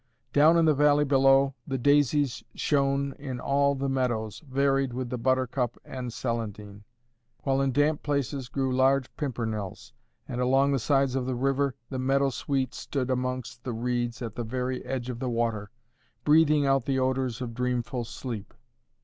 Down in the valley below, the daisies shone in all the meadows, varied with the buttercup and the celandine; while in damp places grew large pimpernels, and along the sides of the river, the meadow sweet stood amongst the reeds at the very edge of the water, breathing out the odours of dreamful sleep.